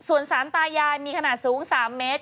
ส่วนสารตายายมีขนาดสูง๓เมตร